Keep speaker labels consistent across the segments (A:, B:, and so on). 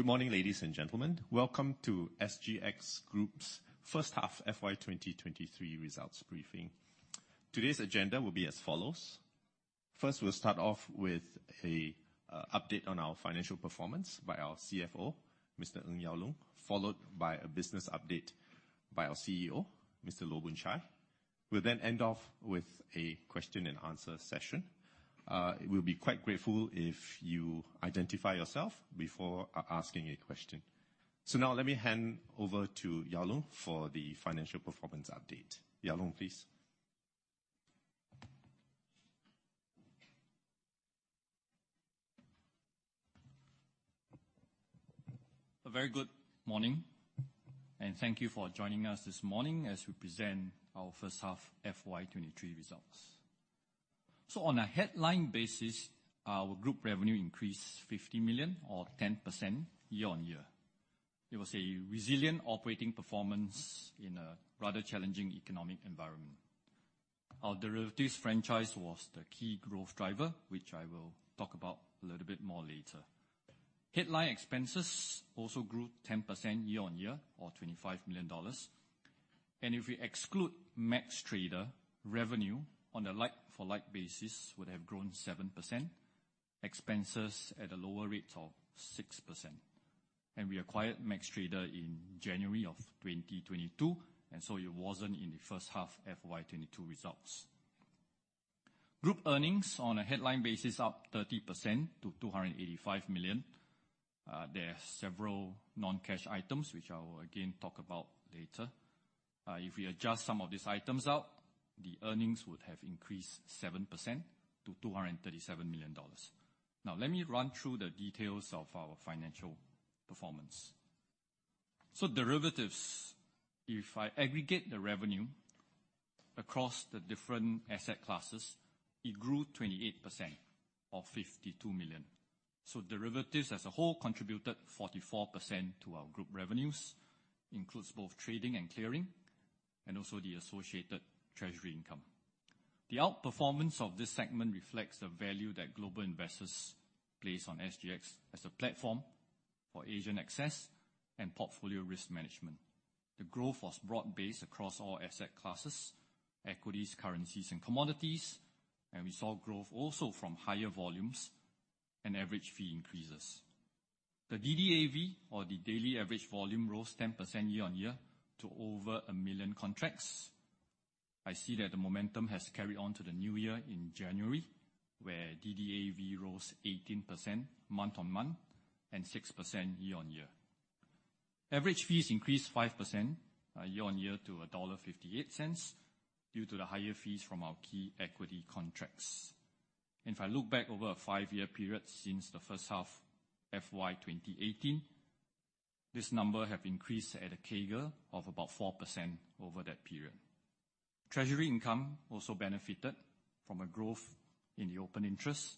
A: Good morning, ladies and gentlemen. Welcome to SGX Group's first half FY 2023 results briefing. Today's agenda will be as follows. First, we'll start off with a update on our financial performance by our CFO, Mr. Ng Yao Loong, followed by a business update by our CEO, Mr. Loh Boon Chye. We'll then end off with a question and answer session. We'll be quite grateful if you identify yourself before asking a question. Now let me hand over to Yao Loong for the financial performance update. Yao Loong, please.
B: A very good morning, thank you for joining us this morning as we present our first half FY 2023 results. On a headline basis, our group revenue increased 50 million or 10% year-on-year. It was a resilient operating performance in a rather challenging economic environment. Our derivatives franchise was the key growth driver, which I will talk about a little bit more later. Headline expenses also grew 10% year-on-year or 25 million dollars. If we exclude MaxxTrader, revenue on a like-for-like basis would have grown 7%, expenses at a lower rate of 6%. We acquired MaxxTrader in January of 2022, it wasn't in the first half FY 2022 results. Group earnings on a headline basis up 30% to 285 million. There are several non-cash items which I will again talk about later. If we adjust some of these items out, the earnings would have increased 7% to 237 million dollars. Let me run through the details of our financial performance. Derivatives, if I aggregate the revenue across the different asset classes, it grew 28% or 52 million. Derivatives as a whole contributed 44% to our Group revenues, includes both trading and clearing, and also the associated treasury income. The outperformance of this segment reflects the value that global investors place on SGX as a platform for Asian access and portfolio risk management. The growth was broad-based across all asset classes, equities, currencies, and commodities, and we saw growth also from higher volumes and average fee increases. The DDAV, or the daily average volume, rose 10% year-on-year to over one million contracts. I see that the momentum has carried on to the new year in January, where DDAV rose 18% month-on-month and 6% year-on-year. Average fees increased 5% year-on-year to dollar 1.58 due to the higher fees from our key equity contracts. If I look back over a five-year period since the first half FY 2018, this number have increased at a CAGR of about 4% over that period. Treasury income also benefited from a growth in the open interest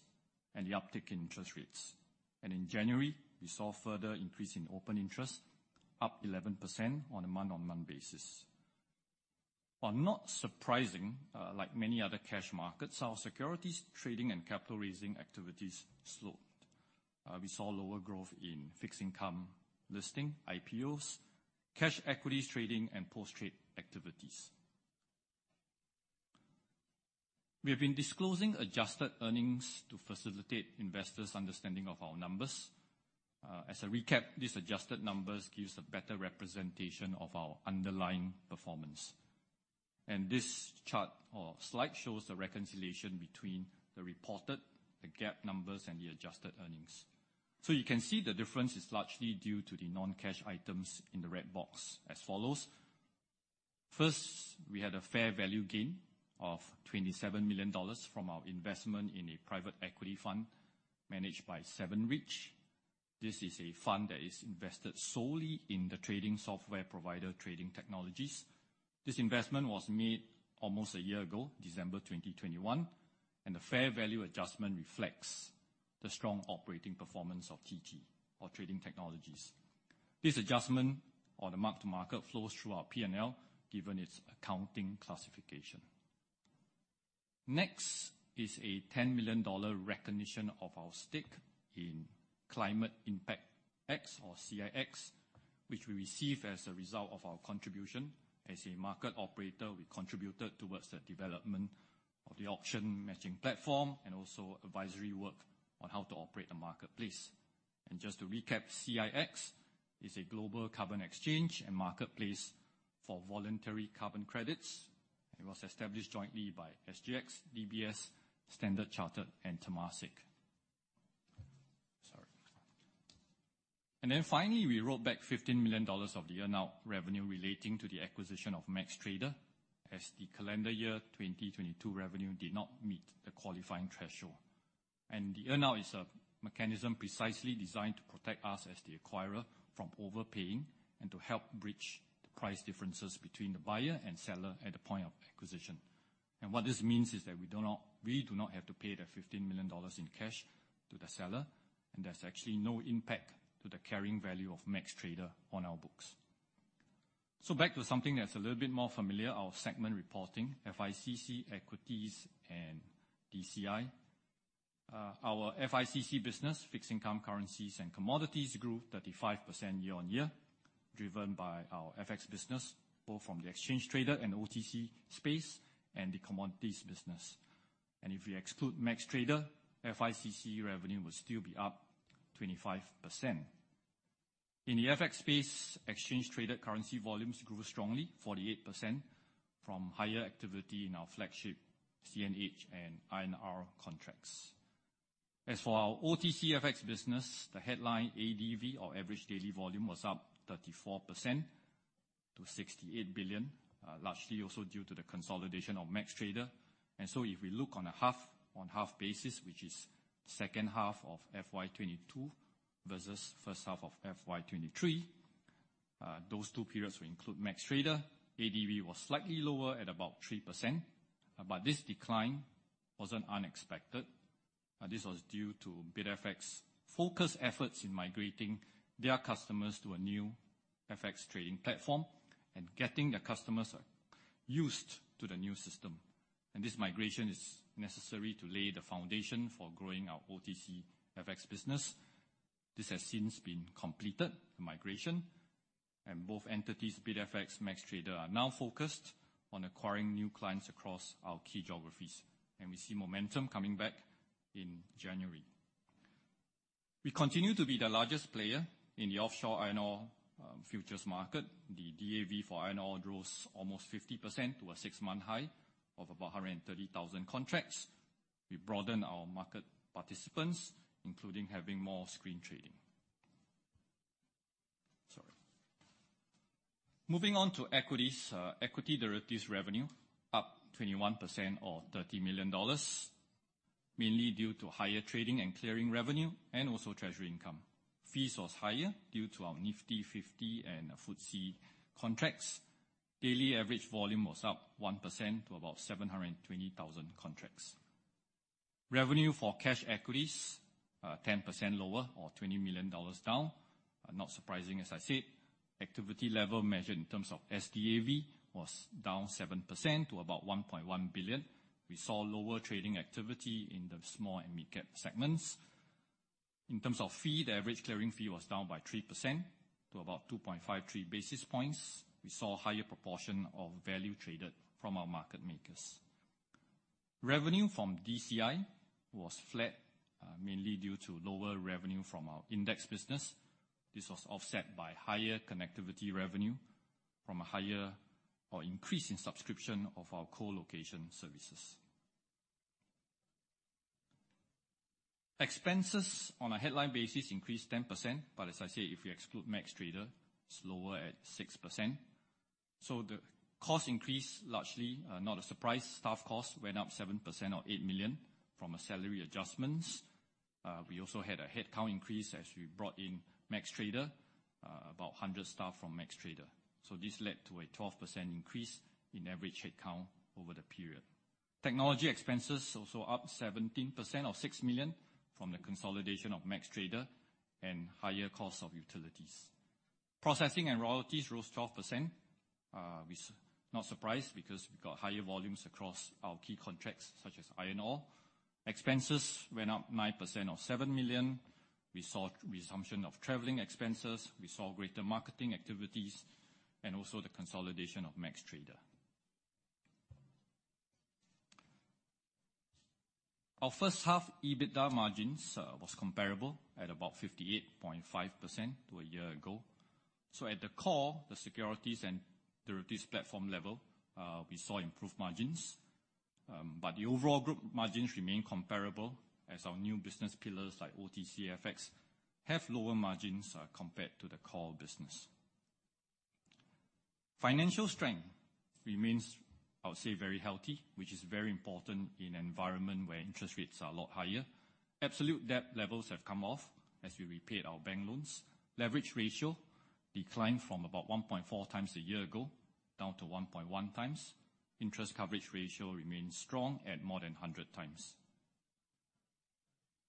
B: and the uptick in interest rates. In January, we saw further increase in open interest, up 11% on a month-on-month basis. While not surprising, like many other cash markets, our securities trading and capital raising activities slowed. We saw lower growth in fixed income listing, IPOs, cash equities trading, and post-trade activities. We have been disclosing adjusted earnings to facilitate investors' understanding of our numbers. As a recap, these adjusted numbers gives a better representation of our underlying performance. This chart or slide shows the reconciliation between the reported, the GAAP numbers, and the adjusted earnings. You can see the difference is largely due to the non-cash items in the red box as follows. First, we had a fair value gain of 27 million dollars from our investment in a private equity fund managed by 7RIDGE. This is a fund that is invested solely in the trading software provider, Trading Technologies. This investment was made almost a year ago, December 2021, and the fair value adjustment reflects the strong operating performance of TT or Trading Technologies. This adjustment or the mark-to-market flows through our P&L, given its accounting classification. Next is a 10 million dollar recognition of our stake in Climate Impact X, or CIX, which we receive as a result of our contribution. As a market operator, we contributed towards the development of the auction matching platform and also advisory work on how to operate the marketplace. Just to recap, CIX is a global carbon exchange and marketplace for voluntary carbon credits. It was established jointly by SGX, DBS, Standard Chartered, and Temasek. Sorry. Finally, we wrote back 15 million dollars of the earnout revenue relating to the acquisition of MaxxTrader as the calendar year 2022 revenue did not meet the qualifying threshold. The earnout is a mechanism precisely designed to protect us as the acquirer from overpaying and to help bridge the price differences between the buyer and seller at the point of acquisition. What this means is that we do not have to pay $15 million in cash to the seller, and there's actually no impact to the carrying value of MaxxTrader on our books. Back to something that's a little bit more familiar, our segment reporting, FICC, Equities, and DCI. Our FICC business, Fixed Income, Currencies and Commodities, grew 35% year-on-year, driven by our FX business, both from the exchange trader and OTC space, and the commodities business. If we exclude MaxxTrader, FICC revenue would still be up 25%. In the FX space, exchange traded currency volumes grew strongly, 48%, from higher activity in our flagship CNH and INR contracts. As for our OTC FX business, the headline ADV, or Average Daily Volume, was up 34% to $68 billion, largely also due to the consolidation of MaxxTrader. If we look on a half on half basis, which is second half of FY 2022 versus first half of FY 2023, those two periods will include MaxxTrader. ADV was slightly lower at about 3%, but this decline wasn't unexpected. This was due to BidFX focused efforts in migrating their customers to a new FX trading platform and getting their customers used to the new system. This migration is necessary to lay the foundation for growing our OTC FX business. This has since been completed, the migration, and both entities, BidFX, MaxxTrader, are now focused on acquiring new clients across our key geographies, and we see momentum coming back in January. We continue to be the largest player in the offshore iron ore futures market. The DAV for iron ore grows almost 50% to a six-month high of about 130,000 contracts. We broaden our market participants, including having more screen trading. Sorry. Moving on to equities. Equity derivatives revenue up 21% or $30 million, mainly due to higher trading and clearing revenue and also treasury income. Fees was higher due to our Nifty 50 and FTSE contracts. Daily average volume was up 1% to about 720,000 contracts. Revenue for cash equities 10% lower or $20 million down. Not surprising, as I said. Activity level measured in terms of SDAV was down 7% to about $1.1 billion. We saw lower trading activity in the small and midcap segments. In terms of fee, the average clearing fee was down by 3% to about 2.53 basis points. We saw a higher proportion of value traded from our market makers. Revenue from DCI was flat, mainly due to lower revenue from our index business. This was offset by higher connectivity revenue from a higher or increase in subscription of our co-location services. Expenses on a headline basis increased 10%, as I said, if we exclude MaxxTrader, it's lower at 6%. The cost increase largely not a surprise. Staff costs went up 7% or 8 million from a salary adjustments. We also had a headcount increase as we brought in MaxxTrader, about 100 staff from MaxxTrader. This led to a 12% increase in average headcount over the period. Technology expenses also up 17% or six million from the consolidation of MaxxTrader and higher cost of utilities. Processing and royalties rose 12%. We s- not surprised because we've got higher volumes across our key contracts, such as iron ore. Expenses went up 9% or seven million. We saw resumption of traveling expenses. We saw greater marketing activities and also the consolidation of MaxxTrader. Our first half EBITDA margins was comparable at about 58.5% to a year ago. At the core, the securities and derivatives platform level, we saw improved margins. The overall group margins remain comparable as our new business pillars like OTC FX have lower margins compared to the core business. Financial strength remains, I would say, very healthy, which is very important in an environment where interest rates are a lot higher. Absolute debt levels have come off as we repaid our bank loans. Leverage ratio declined from about 1.4 times a year ago, down to 1.1 times. Interest coverage ratio remains strong at more than 100 times.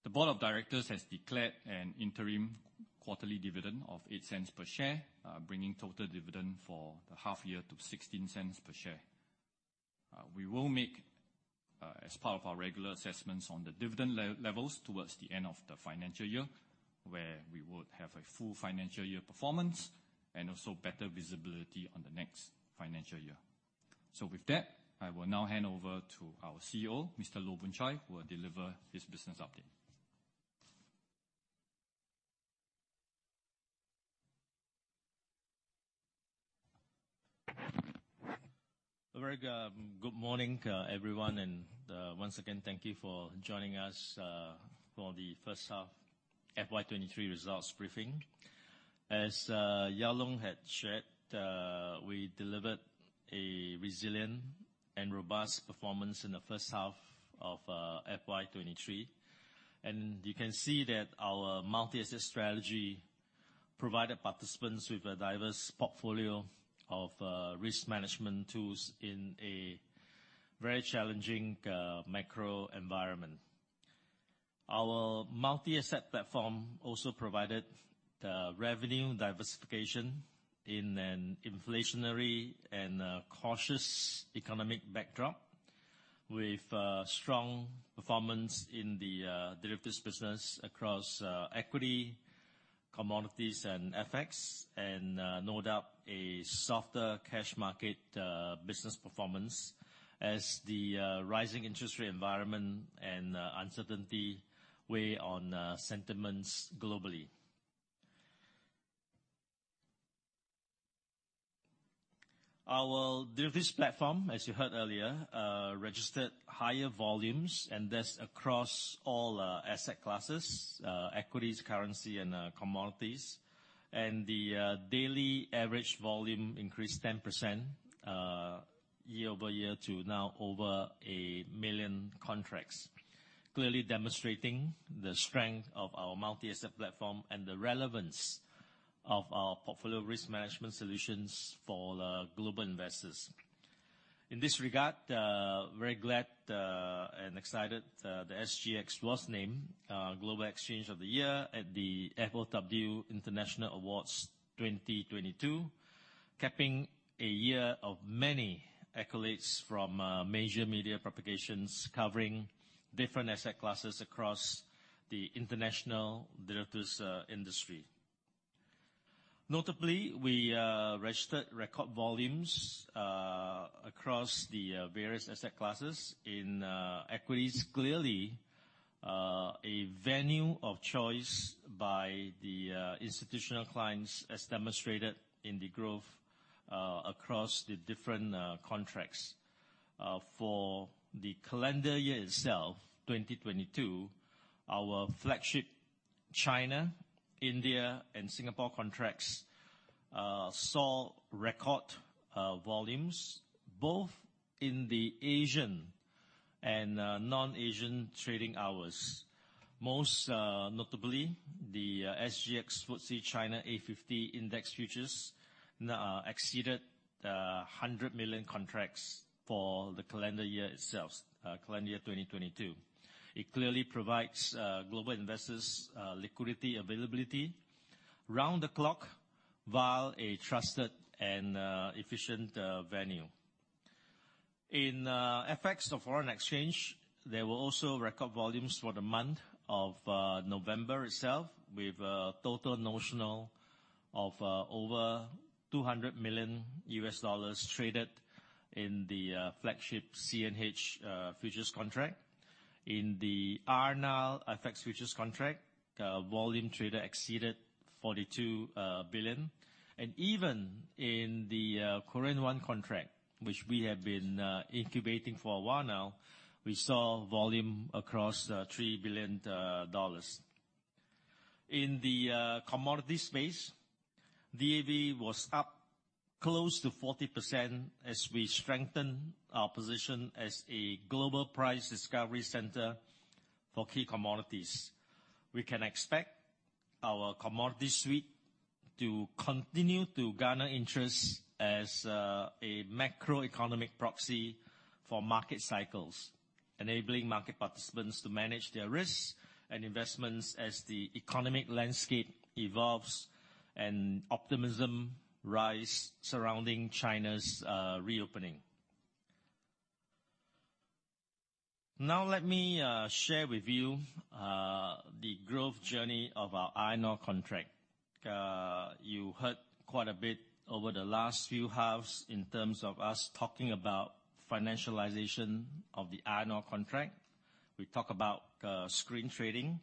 B: The board of directors has declared an interim quarterly dividend of 0.08 per share, bringing total dividend for the half year to 0.16 per share. We will make as part of our regular assessments on the dividend levels towards the end of the financial year, where we would have a full financial year performance and also better visibility on the next financial year. With that, I will now hand over to our CEO, Mr. Loh Boon Chye, who will deliver his business update.
C: A very good good morning everyone, and once again, thank you for joining us for the first half FY 2023 results briefing. As Yao Loong had shared, we delivered a resilient and robust performance in the first half of FY 2023. You can see that our multi-asset strategy provided participants with a diverse portfolio of risk management tools in a very challenging macro environment. Our multi-asset platform also provided the revenue diversification in an inflationary and cautious economic backdrop with strong performance in the derivatives business across equity, commodities, and FX. No doubt a softer cash market business performance as the rising interest rate environment and uncertainty weigh on sentiments globally. Our derivatives platform, as you heard earlier, registered higher volumes, and that's across all asset classes, equities, currency, and commodities. The daily average volume increased 10% year-over-year to now over 1 million contracts. Clearly demonstrating the strength of our multi-asset platform and the relevance of our portfolio risk management solutions for the global investors. In this regard, very glad and excited that SGX was named Global Exchange of the Year at the FOW International Awards 2022, capping a year of many accolades from major media propagations covering different asset classes across the international derivatives industry. Notably, we registered record volumes across the various asset classes in equities. Clearly, a venue of choice by the institutional clients, as demonstrated in the growth across the different contracts. For the calendar year itself, 2022, our flagship China, India, and Singapore contracts saw record volumes both in the Asian and non-Asian trading hours. Most notably the SGX FTSE China A50 Index Futures exceeded 100 million contracts for the calendar year itself, calendar year 2022. It clearly provides global investors liquidity availability round the clock via a trusted and efficient venue. In FX or foreign exchange, there were also record volumes for the month of November itself, with a total notional of over $200 million traded in the flagship CNH futures contract. In the RMB FX futures contract, the volume traded exceeded 42 billion. Even in the Korean Won contract, which we have been incubating for a while now, we saw volume across $3 billion. In the commodity space, the AV was up close to 40% as we strengthen our position as a global price discovery center for key commodities. We can expect our commodity suite to continue to garner interest as a macroeconomic proxy for market cycles, enabling market participants to manage their risks and investments as the economic landscape evolves and optimism rise surrounding China's reopening. Let me share with you the growth journey of our iron ore contract. You heard quite a bit over the last few halves in terms of us talking about financialization of the iron ore contract. We talk about screen trading.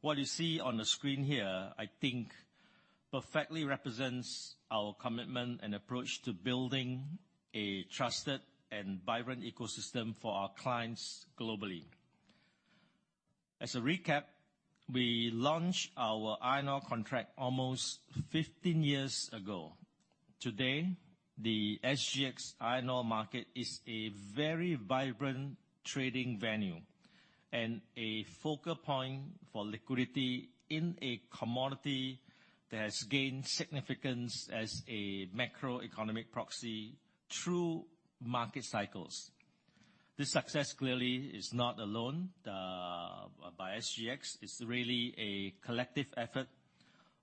C: What you see on the screen here, I think perfectly represents our commitment and approach to building a trusted and vibrant ecosystem for our clients globally. As a recap, we launched our iron ore contract almost 15 years ago. Today, the SGX iron ore market is a very vibrant trading venue and a focal point for liquidity in a commodity that has gained significance as a macroeconomic proxy through market cycles. This success clearly is not alone by SGX. It's really a collective effort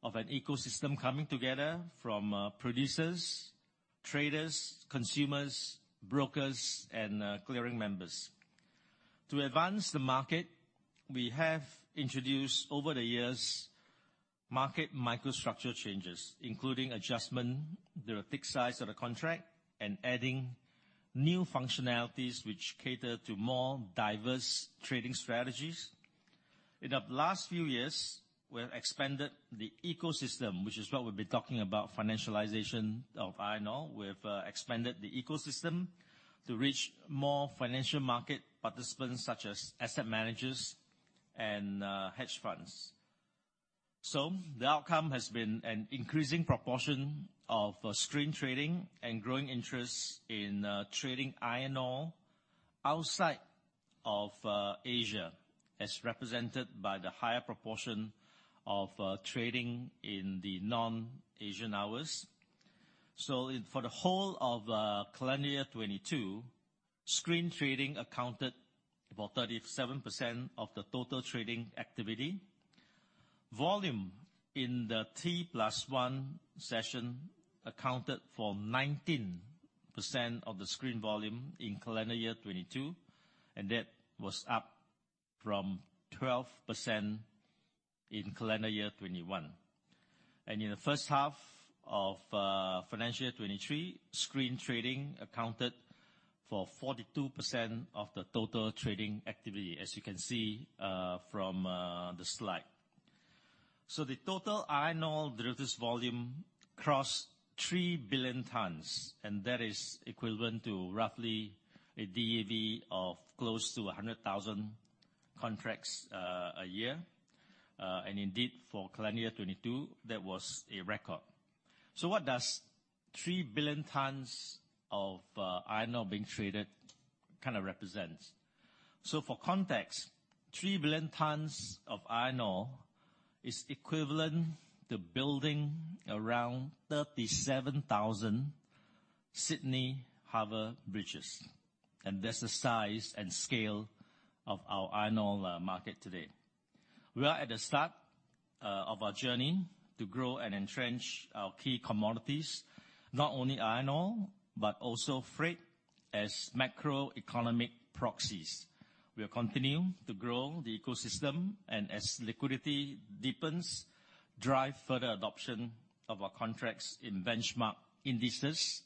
C: of an ecosystem coming together from producers, traders, consumers, brokers, and clearing members. To advance the market, we have introduced over the years, market microstructure changes, including adjustment the fixed size of the contract and adding new functionalities which cater to more diverse trading strategies. In the last few years, we have expanded the ecosystem, which is what we've been talking about financialization of iron ore. We have expanded the ecosystem to reach more financial market participants such as asset managers and hedge funds. The outcome has been an increasing proportion of screen trading and growing interest in trading iron ore outside of Asia, as represented by the higher proportion of trading in the non-Asian hours. For the whole of calendar 22, screen trading accounted about 37% of the total trading activity. Volume in the T plus one session accounted for 19% of the screen volume in calendar year 22, and that was up from 12% in calendar year 21. In the first half of financial year 23, screen trading accounted for 42% of the total trading activity, as you can see from the slide. The total iron ore derivatives volume crossed three billion tons, and that is equivalent to roughly a DAV of close to 100,000 contracts a year. Indeed, for calendar 22, that was a record. What does three billion tons of iron ore being traded kind of represents? For context, three billion tons of iron ore is equivalent to building around 37,000 Sydney Harbour Bridges, and that's the size and scale of our iron ore market today. We are at the start of our journey to grow and entrench our key commodities, not only iron ore, but also freight as macroeconomic proxies. We are continuing to grow the ecosystem and, as liquidity deepens, drive further adoption of our contracts in benchmark indices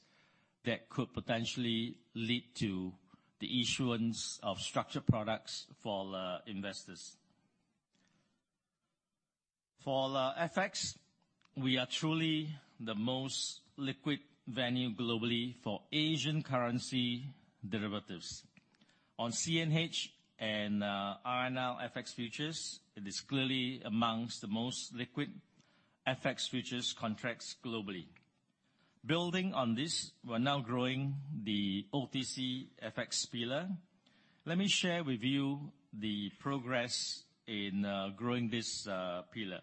C: that could potentially lead to the issuance of structured products for investors. For FX, we are truly the most liquid venue globally for Asian currency derivatives. On CNH and RMB FX futures, it is clearly amongst the most liquid FX futures contracts globally. Building on this, we're now growing the OTC FX pillar. Let me share with you the progress in growing this pillar.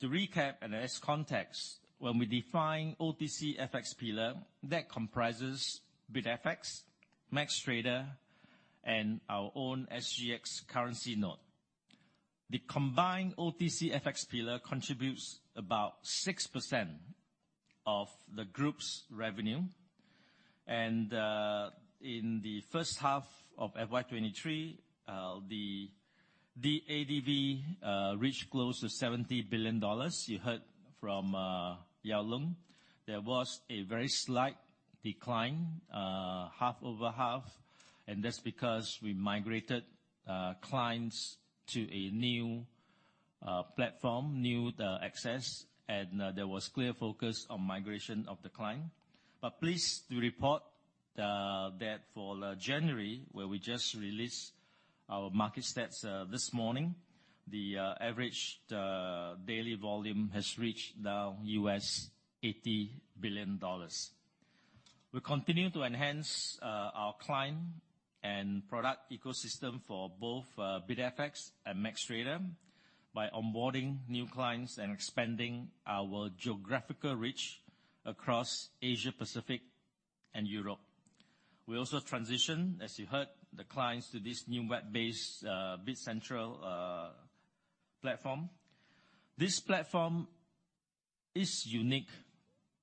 C: To recap and as context, when we define OTC FX pillar, that comprises BidFX, MaxxTrader, and our own SGX CurrencyNode. The combined OTC FX pillar contributes about 6% of the group's revenue. In the first half of FY 2023, the DADV reached close to $70 billion. You heard from Yao Loong. There was a very slight decline, half-over-half, and that's because we migrated clients to a new platform, new access. There was clear focus on migration of the client. Pleased to report that for January, where we just released our market stats this morning, the average daily volume has reached now $80 billion. We continue to enhance our client and product ecosystem for both BidFX and MaxxTrader by onboarding new clients and expanding our geographical reach across Asia-Pacific and Europe. We also transition, as you heard, the clients to this new web-based BidCentral platform. This platform is unique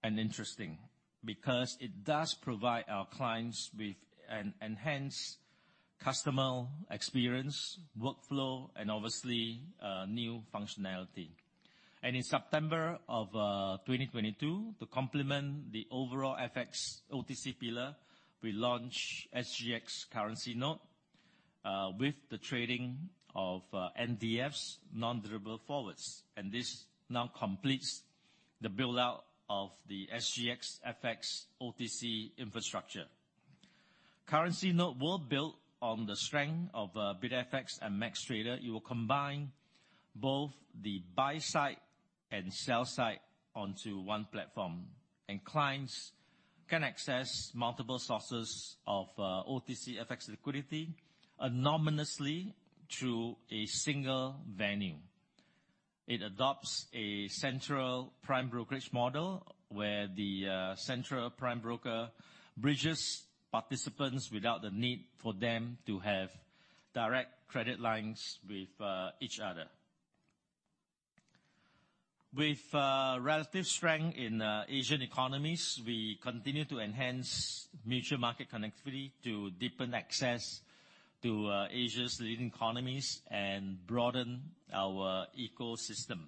C: and interesting because it does provide our clients with an enhanced customer experience, workflow, and obviously, new functionality. In September of 2022, to complement the overall FX OTC pillar, we launched SGX CurrencyNode with the trading of NDFs, non-deliverable forwards. This now completes the build-out of the SGX FX OTC infrastructure. CurrencyNode will build on the strength of BidFX and MaxxTrader. It will combine both the buy side and sell side onto one platform. Clients can access multiple sources of OTC FX liquidity anonymously through a single venue. It adopts a central prime brokerage model, where the central prime broker bridges participants without the need for them to have direct credit lines with each other. With relative strength in Asian economies, we continue to enhance mutual market connectivity to deepen access to Asia's leading economies and broaden our ecosystem.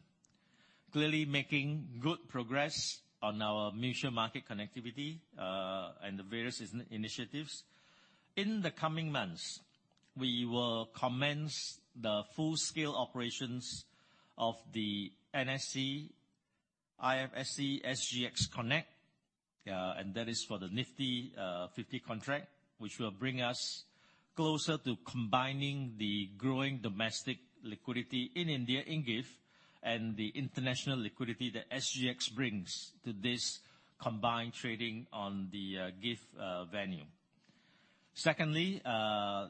C: Clearly making good progress on our mutual market connectivity, and the various initiatives. In the coming months, we will commence the full-scale operations of the NSE IFSC, SGX Connect. That is for the Nifty 50 contract, which will bring us closer to combining the growing domestic liquidity in India in GIFT City and the international liquidity that SGX brings to this combined trading on the GIFT City venue. Secondly,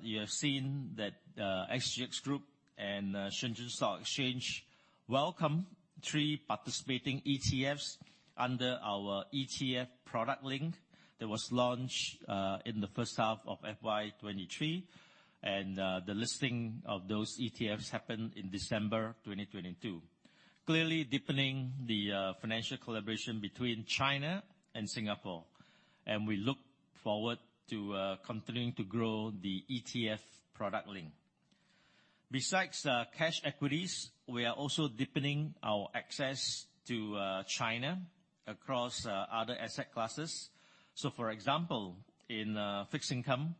C: you have seen that SGX Group and Shenzhen Stock Exchange welcome three participating ETFs under our ETF product link that was launched in the first half of FY 2023. The listing of those ETFs happened in December 2022. Clearly deepening the financial collaboration between China and Singapore, and we look forward to continuing to grow the ETF product link. Besides, cash equities, we are also deepening our access to China across other asset classes. For example, in fixed income,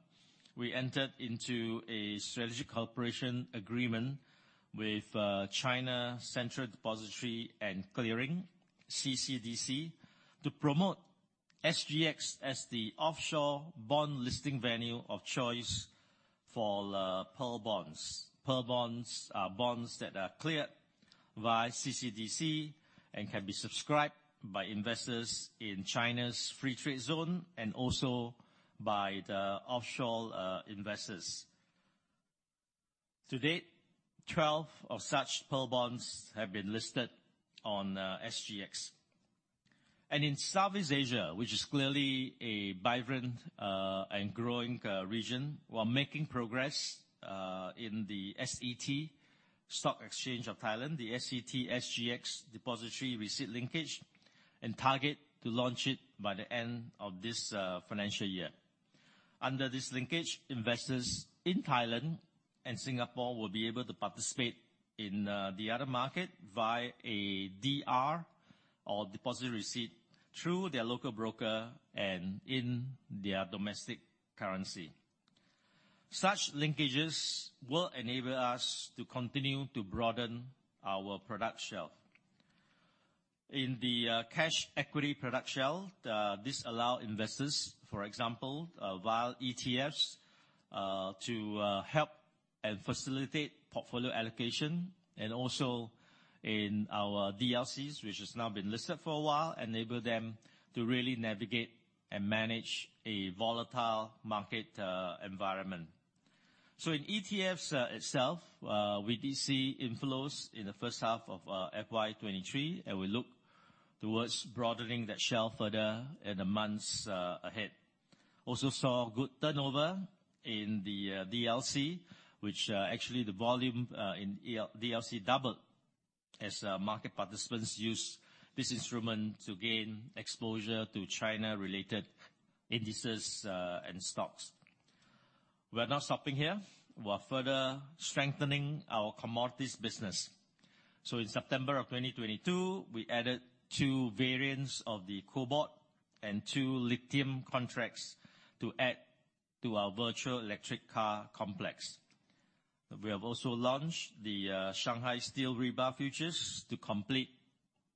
C: we entered into a strategic cooperation agreement with China Central Depository and Clearing, CCDC, to promote SGX as the offshore bond listing venue of choice for Panda bonds. Panda bonds are bonds that are cleared via CCDC and can be subscribed by investors in China's free trade zone and also by the offshore investors. To date, 12 of such Panda bonds have been listed on SGX. In Southeast Asia, which is clearly a vibrant and growing region, we're making progress in the SET, Stock Exchange of Thailand, the SET-SGX Depository Receipt Linkage, and target to launch it by the end of this financial year. Under this linkage, investors in Thailand and Singapore will be able to participate in the other market via a DR or deposit receipt through their local broker and in their domestic currency. Such linkages will enable us to continue to broaden our product shelf. In the cash equity product shelf, this allow investors, for example, via ETFs, to help and facilitate portfolio allocation, and also in our DLCs, which has now been listed for a while, enable them to really navigate and manage a volatile market environment. In ETFs itself, we did see inflows in the first half of FY 2023, and we look towards broadening that shelf further in the months ahead. Also saw good turnover in the DLC, which actually the volume in DLC doubled as market participants used this instrument to gain exposure to China-related indices and stocks. We're not stopping here. We're further strengthening our commodities business. In September of 2022, we added two variants of the cobalt and two lithium contracts to add to our virtual electric car complex. We have also launched the Mysteel Shanghai Rebar futures to complete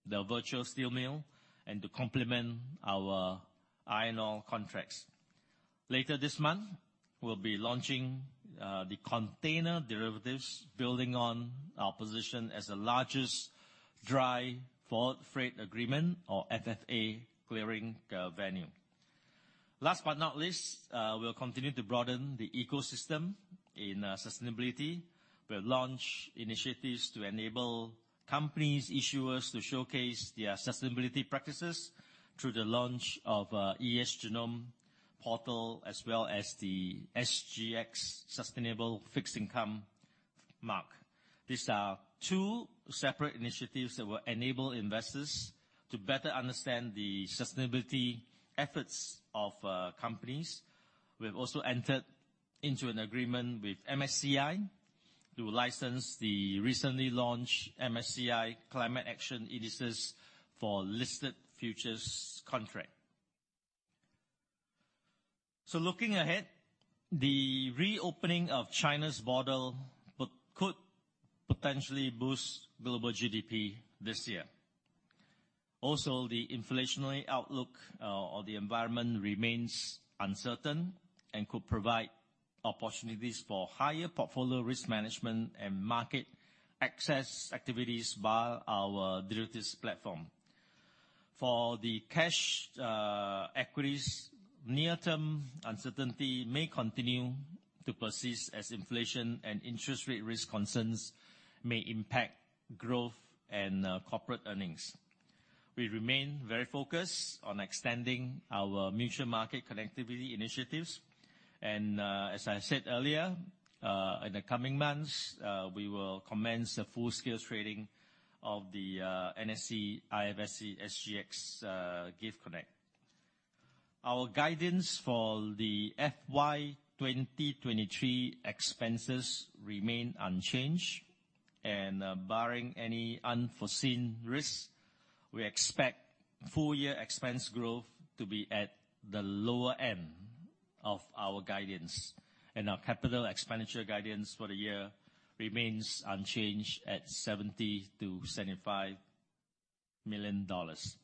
C: the Virtual Steel Mill and to complement our iron ore contracts. Later this month, we'll be launching the container derivatives, building on our position as the largest dry forward freight agreement, or FFA, clearing venue. Last but not least, we'll continue to broaden the ecosystem in sustainability. We'll launch initiatives to enable companies, issuers to showcase their sustainability practices through the launch of a ESGenome portal, as well as the SGX Sustainable Fixed Income mark. These are two separate initiatives that will enable investors to better understand the sustainability efforts of companies. We have also entered into an agreement with MSCI to license the recently launched MSCI Climate Action Indexes for listed futures contract. Looking ahead, the reopening of China's border could potentially boost global GDP this year. Also, the inflationary outlook, or the environment remains uncertain and could provide opportunities for higher portfolio risk management and market access activities via our derivatives platform. For the cash equities, near-term uncertainty may continue to persist as inflation and interest rate risk concerns may impact growth and corporate earnings. We remain very focused on extending our mutual market connectivity initiatives. As I said earlier, in the coming months, we will commence the full-scale trading of the NSE IFSC, SGX, GIFT Connect. Our guidance for the FY 2023 expenses remain unchanged. Barring any unforeseen risks, we expect full year expense growth to be at the lower end of our guidance. Our capital expenditure guidance for the year remains unchanged at 70 million-75 million dollars.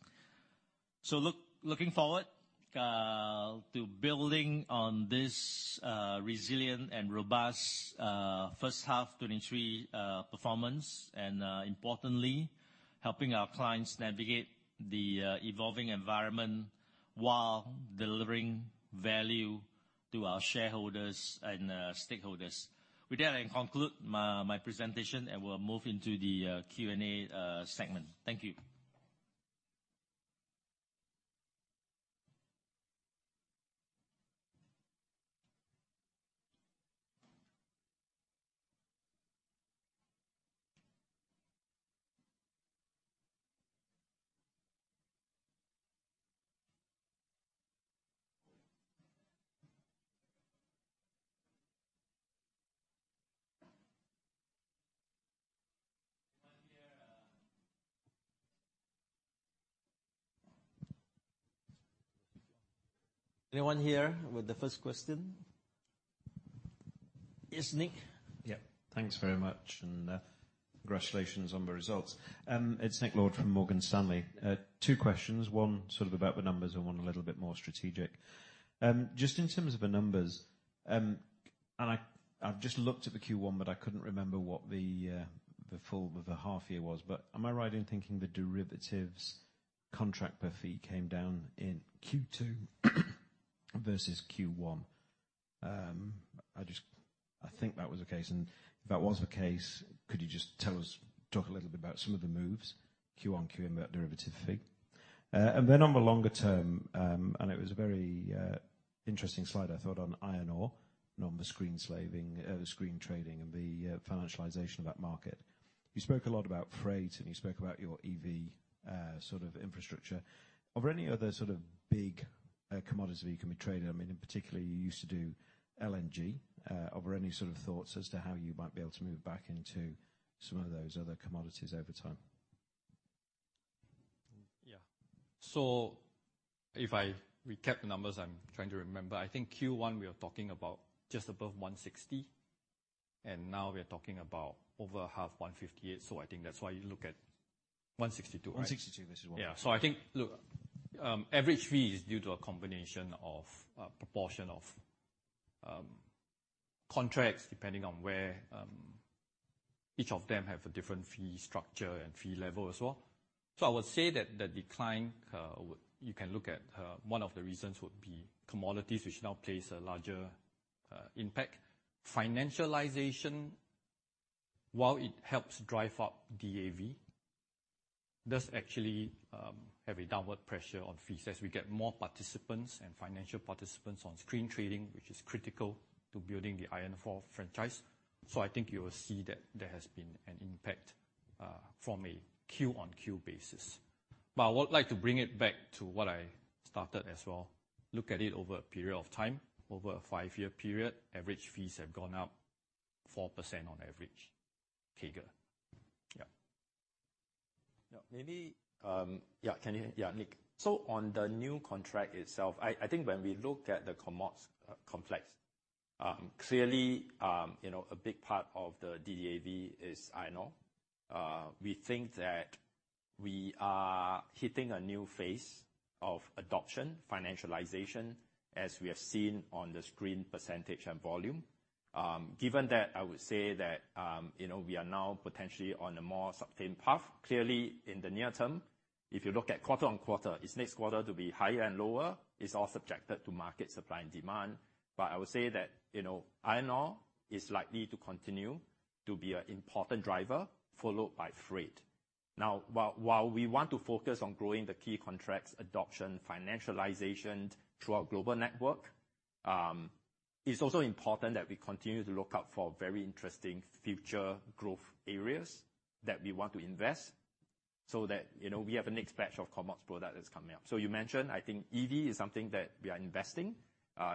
C: Looking forward to building on this resilient and robust.
B: First half 2023 performance, and importantly, helping our clients navigate the evolving environment, while delivering value to our shareholders and stakeholders. With that, I conclude my presentation, and we'll move into the Q&A segment. Thank you.
D: Anyone here,
B: Anyone here with the first question? Yes, Nick.
E: Yeah. Thanks very much, and, congratulations on the results. It's Nick Lord from Morgan Stanley. Two questions. One sort of about the numbers and one a little bit more strategic. Just in terms of the numbers, and I've just looked at the Q1, but I couldn't remember what the full, the half year was. Am I right in thinking the derivatives contract per fee came down in Q2 versus Q1? I think that was the case, and if that was the case, could you just tell us, talk a little bit about some of the moves Q1, Q2 in that derivative fee? Then on the longer term, and it was a very, interesting slide, I thought, on iron ore, on the screen slaving, or the screen trading and the, financialization of that market. You spoke a lot about freight, and you spoke about your EV, sort of infrastructure. Are there any other sort of big, commodity you can be trading? I mean, in particular, you used to do LNG. Are there any sort of thoughts as to how you might be able to move back into some of those other commodities over time?
B: Yeah. If I recap the numbers, I'm trying to remember. I think Q1 we are talking about just above 160, and now we are talking about over half 158, so I think that's why you look at 162.
E: 162 versus.
B: Yeah. I think, look, average fee is due to a combination of a proportion of contracts, depending on where each of them have a different fee structure and fee level as well. I would say that the decline, you can look at, one of the reasons would be commodities, which now plays a larger impact. Financialization, while it helps drive up DAV, does actually have a downward pressure on fees as we get more participants and financial participants on screen trading, which is critical to building the iron ore franchise. I think you will see that there has been an impact from a Q-on-Q basis. I would like to bring it back to what I started as well. Look at it over a period of time. Over a five-year period, average fees have gone up 4% on average. CAGR. Yeah.
D: Maybe. Can you hear? Yeah, Nick. On the new contract itself, I think when we look at the commods complex, clearly, you know, a big part of the DAV is iron ore. We think that we are hitting a new phase of adoption, financialization, as we have seen on the screen % and volume. Given that, I would say that, you know, we are now potentially on a more sustained path. Clearly, in the near term, if you look at quarter-on-quarter, is next quarter to be higher and lower is all subjected to market supply and demand. I would say that, you know, iron ore is likely to continue to be a important driver, followed by freight. While, while we want to focus on growing the key contracts, adoption, financialization through our global network, it's also important that we continue to look out for very interesting future growth areas that we want to invest so that, you know, we have a next batch of commods product that's coming up. You mentioned, I think EV is something that we are investing.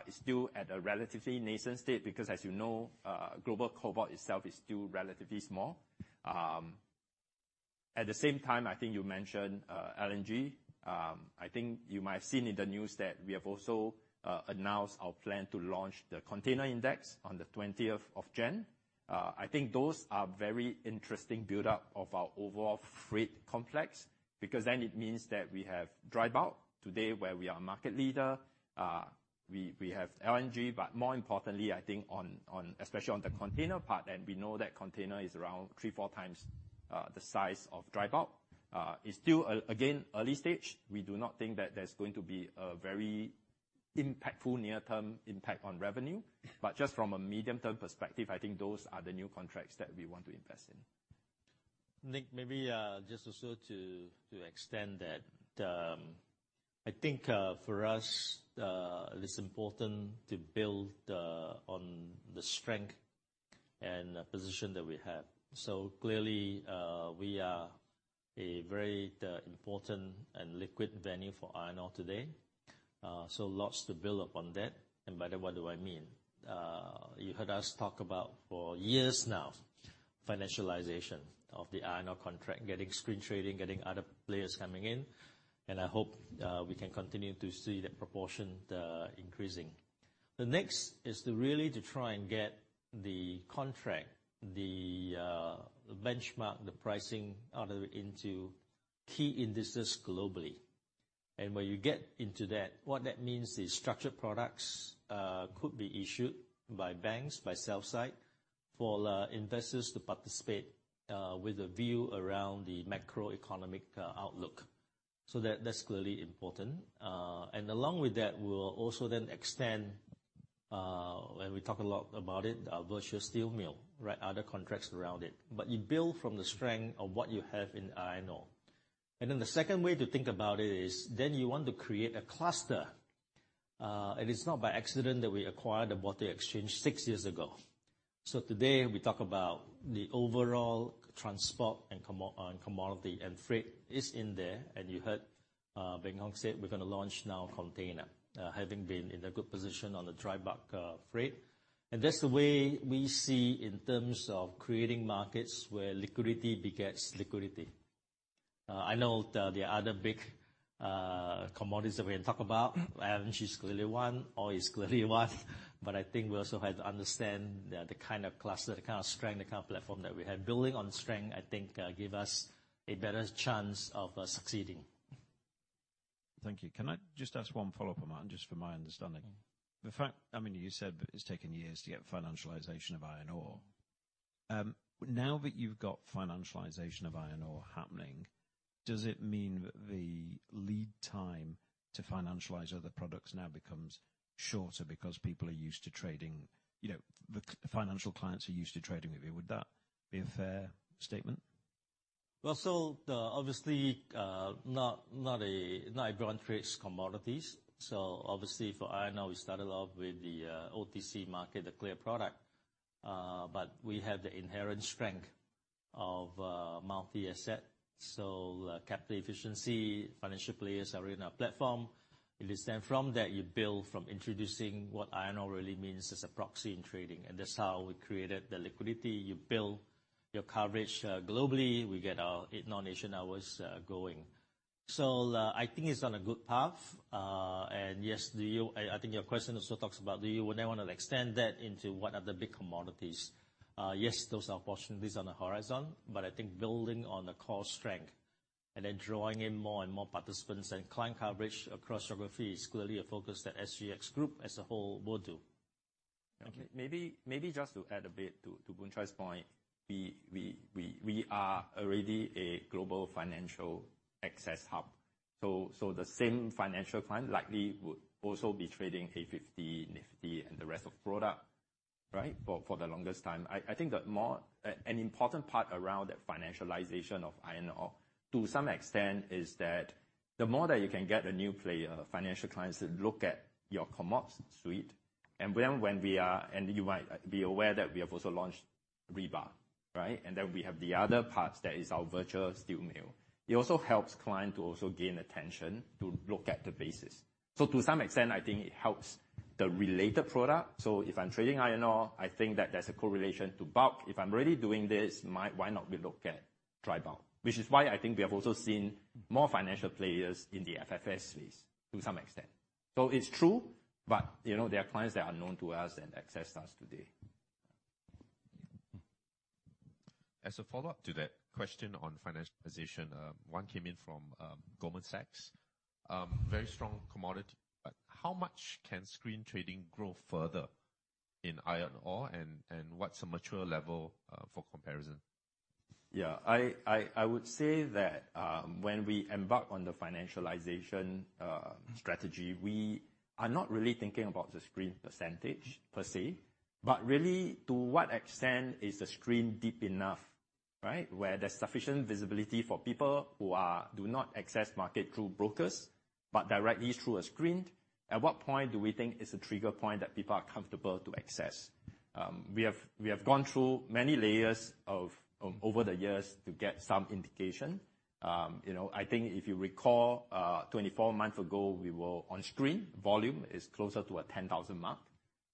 D: It's still at a relatively nascent state because as you know, global cobalt itself is still relatively small. At the same time, I think you mentioned, LNG. I think you might have seen in the news that we have also announced our plan to launch the container index on the 20th of Jan. I think those are very interesting buildup of our overall freight complex, because then it means that we have dry bulk today where we are market leader. We have LNG, but more importantly, I think on, especially on the container part, and we know that container is around three, four times the size of dry bulk. It's still, again, early stage. We do not think that there's going to be a very impactful near-term impact on revenue. Just from a medium-term perspective, I think those are the new contracts that we want to invest in.
C: Nick, maybe just also to extend that. I think for us, it is important to build on the strength and the position that we have. Clearly, we are a very important and liquid venue for iron ore today. Lots to build upon that. By that, what do I mean? You heard us talk about for years now, financialization of the iron ore contract, getting screen trading, getting other players coming in, and I hope we can continue to see the proportion increasing. The next is to really to try and get the contract, the benchmark, the pricing out into key indices globally. When you get into that, what that means is structured products could be issued by banks, by sell site for investors to participate with a view around the macroeconomic outlook. That, that's clearly important. Along with that, we'll also then extend, and we talk a lot about it, our virtual steel mill, right? Other contracts around it. You build from the strength of what you have in iron ore. The second way to think about it is then you want to create a cluster. It's not by accident that we acquired the Baltic Exchange six years ago. Today, we talk about the overall transport and commodity, and freight is in there. You heard Beng Hong say we're gonna launch now container, having been in a good position on the dry bulk, freight. That's the way we see in terms of creating markets where liquidity begets liquidity. I know the other big commodities that we can talk about, energy is clearly one, oil is clearly one. I think we also have to understand the kind of cluster, the kind of strength, the kind of platform that we have. Building on strength, I think, give us a better chance of succeeding.
E: Thank you. Can I just ask one follow-up on that, just for my understanding?
C: Mm-hmm.
E: The fact... I mean, you said it's taken years to get financialization of iron ore. Now that you've got financialization of iron ore happening, does it mean that the lead time to financialize other products now becomes shorter because people are used to trading? You know, the financial clients are used to trading with you. Would that be a fair statement?
C: Well, obviously, not everyone trades commodities. Obviously for iron ore, we started off with the OTC market, the clear product. We have the inherent strength of multi-asset. Capital efficiency, financial players are in our platform. It is then from that you build from introducing what iron ore really means as a proxy in trading, and that's how we created the liquidity. You build your coverage globally. We get our non-Asian hours going. I think it's on a good path. Yes, do you... I think your question also talks about, do you then wanna extend that into what are the big commodities? Yes, those are possibilities on the horizon, but I think building on the core strength and then drawing in more and more participants and client coverage across geographies is clearly a focus that SGX Group as a whole will do.
E: Okay.
D: Maybe just to add a bit to Boon Chye's point. We are already a global financial access hub, so the same financial client likely would also be trading A50, Nifty 50 and the rest of product, right? For the longest time. I think that an important part around that financialization of iron ore, to some extent, is that the more that you can get a new player, financial clients to look at your commodities suite. You might be aware that we have also launched rebar, right? We have the other parts, that is our virtual steel mill. It also helps client to also gain attention to look at the basis. To some extent, I think it helps the related product.
C: If I'm trading iron ore, I think that there's a correlation to bulk. If I'm already doing this, why not we look at dry bulk? Which is why I think we have also seen more financial players in the FFS space to some extent. It's true, but, you know, there are clients that are known to us and access us today.
E: Mm-hmm.
B: As a follow-up to that question on financial position, one came in from Goldman Sachs. Very strong commodity. How much can screen trading grow further in iron ore, and what's a mature level for comparison?
D: I would say that, when we embark on the financialization strategy, we are not really thinking about the screen percentage per se, but really to what extent is the screen deep enough, right? Where there's sufficient visibility for people who do not access market through brokers, but directly through a screen. At what point do we think is a trigger point that people are comfortable to access? We have gone through many layers of over the years to get some indication. You know, I think if you recall, 24 months ago, we were on screen. Volume is closer to a 10,000 mark.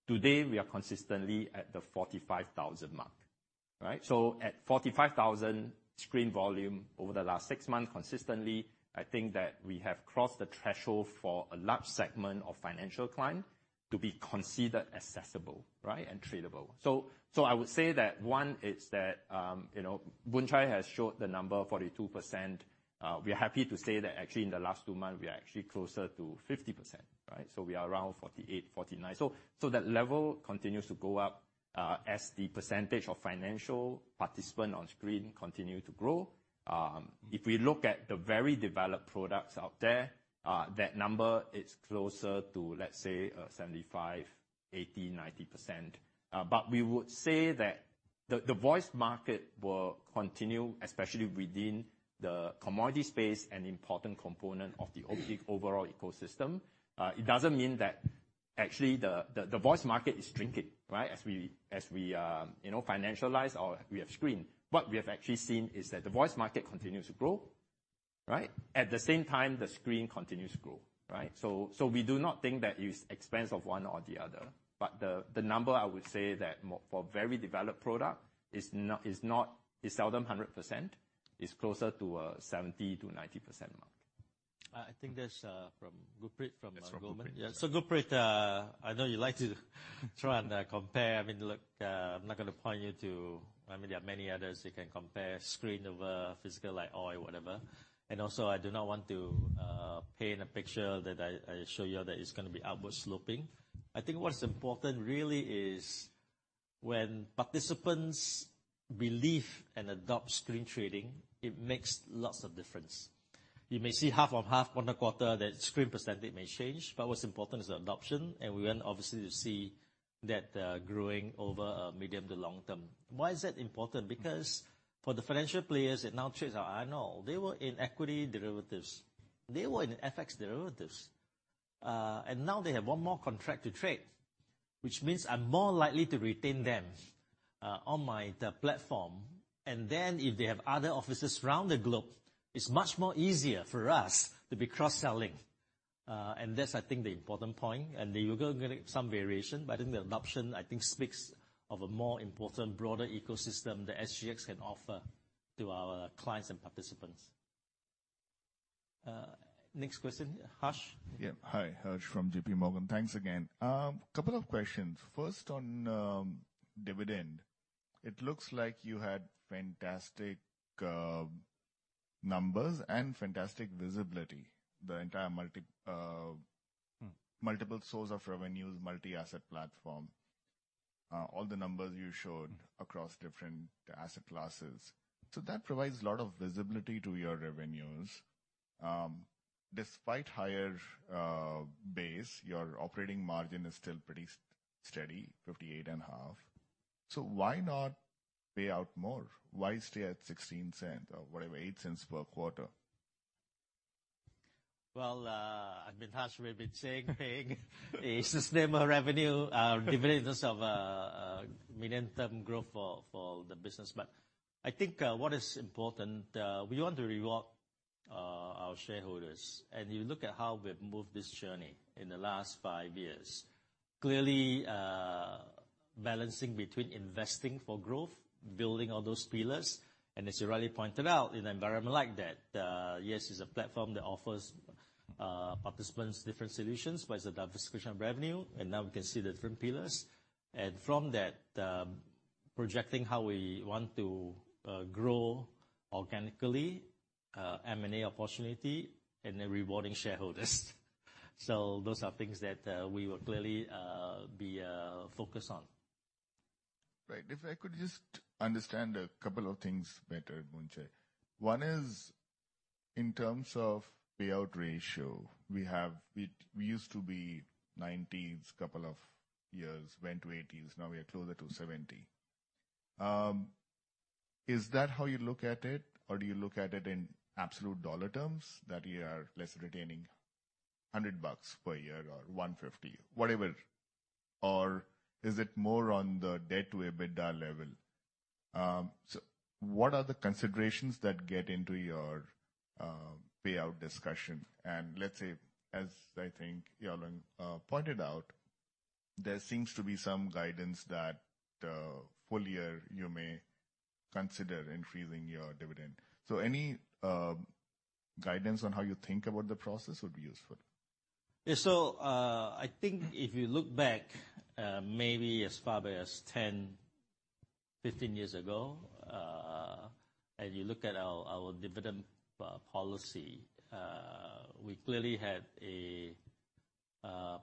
D: Today, we are consistently at the 45,000 mark, right? At 45,000 screen volume over the last six months consistently, I think that we have crossed the threshold for a large segment of financial client to be considered accessible, right? Tradable. I would say that one is that, you know, Boon Chye has showed the number, 42%. We are happy to say that actually in the last two months, we are actually closer to 50%, right? We are around 48, 49. That level continues to go up as the percentage of financial participant on screen continue to grow. If we look at the very developed products out there, that number is closer to, let's say, 75%, 80%, 90%. We would say that the voice market will continue, especially within the commodity space, an important component of the overall ecosystem. It doesn't mean that actually the voice market is shrinking, right? As we, you know, financialize or we have screen. What we have actually seen is that the voice market continues to grow, right? At the same time, the screen continues to grow, right? We do not think that it's expense of one or the other. But the number, I would say that for very developed product is not, it's seldom 100%. It's closer to 70%-90% mark.
C: I think that's Gurpreet from Goldman.
B: It's from Gurpreet, yeah.
C: Gurpreet, I know you like to try and compare. I mean, look, I'm not gonna point you to, I mean, there are many others you can compare screen over physical, like oil, whatever. I do not want to paint a picture that I show you that is gonna be outward sloping. I think what is important really is when participants believe and adopt screen trading, it makes lots of difference. You may see half on half on a quarter that screen % may change, but what's important is the adoption, and we want obviously to see that growing over a medium to long term. Why is that important? For the financial players that now trade our annual, they were in equity derivatives. They were in FX derivatives. Now they have one more contract to trade, which means I'm more likely to retain them on the platform. Then if they have other offices around the globe, it's much more easier for us to be cross-selling. That's I think the important point. You go-getting some variation, but in the adoption, I think speaks of a more important broader ecosystem that SGX can offer to our clients and participants. Next question. Harsh?
F: Yeah. Hi, Harsh from JPMorgan. Thanks again. Couple of questions. First on, dividend. It looks like you had fantastic numbers and fantastic visibility the entire.
C: Mm.
F: multiple sorts of revenues, multi-asset platform. all the numbers you showed-
C: Mm.
F: across different asset classes. That provides a lot of visibility to your revenues. Despite higher base, your operating margin is still pretty steady, 58.5%. Why not pay out more? Why stay at 0.16 or whatever, 0.08 per quarter?
C: Well, I mean, Harsh, we've been saying a sustainable revenue, dividends of medium-term growth for the business. I think what is important, we want to reward our shareholders. You look at how we've moved this journey in the last five years, clearly balancing between investing for growth, building all those pillars. As you rightly pointed out, in an environment like that, yes, it's a platform that offers participants different solutions, but it's a diversification of revenue, and now we can see the different pillars. From that, projecting how we want to grow organically, M&A opportunity and then rewarding shareholders. Those are things that we will clearly be focused on.
F: Right. If I could just understand a couple of things better, Boon Chye. One is in terms of payout ratio, We used to be 90s a couple of years, went to 80s, now we are closer to 70. Is that how you look at it, or do you look at it in absolute dollar terms that you are less retaining 100 bucks per year or 150, whatever? Or is it more on the debt to EBITDA level? What are the considerations that get into your payout discussion? Let's say, as I think Ya-Ling pointed out, there seems to be some guidance that full year you may consider increasing your dividend. Any guidance on how you think about the process would be useful.
C: I think if you look back, maybe as far back as 10, 15 years ago, and you look at our dividend policy, we clearly had a